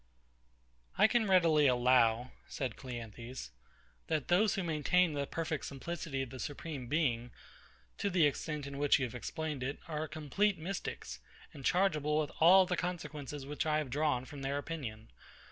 I can readily allow, said CLEANTHES, that those who maintain the perfect simplicity of the Supreme Being, to the extent in which you have explained it, are complete Mystics, and chargeable with all the consequences which I have drawn from their opinion.